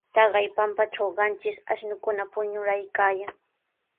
Taqay pampatraw qanchis ashnukuna puñuraykaayan.